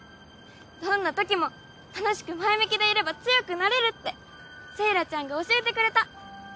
どんなときも楽しく前向きでいれば強くなれるってセイラちゃんが教えてくれた。